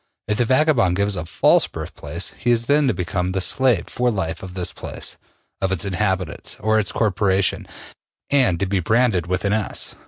If the vagabond gives a false birthplace, he is then to become the slave for life of this place, of its inhabitants, or its corporation, and to be branded with an S.